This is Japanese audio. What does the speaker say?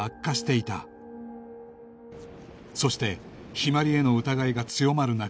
そして陽葵への疑いが強まる中